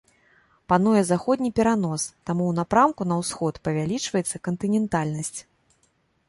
Пануе заходні перанос, таму ў напрамку на ўсход павялічваецца кантынентальнасць.